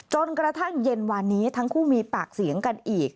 จนกระทั่งเย็นวานนี้ทั้งคู่มีปากเสียงกันอีก